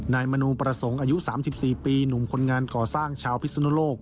นายมณูประสงค์อายุสามสิบสี่ปีหนุ่มคนงานก่อสร้างชาวพิศนโลก